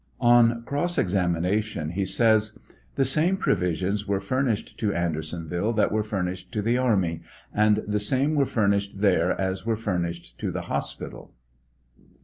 On cross examination, he says : The same provisions were furnished to Andersonville that were furnished to the army, and the same were furuisbed there as were furnished to the hospital.